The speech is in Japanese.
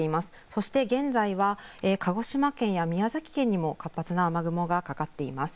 そして現在は鹿児島県や宮崎県にも活発な雨雲がかかっています。